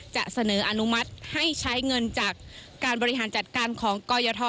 จะเสนออนุมัติให้ใช้เงินจากการบริหารจัดการของกรยท